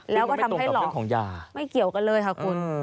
แล้วก็ทำให้หลอนของยาไม่เกี่ยวกันเลยค่ะคุณ